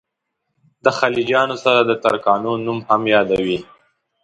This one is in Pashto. د خلجیانو سره د ترکانو نوم هم یادوي.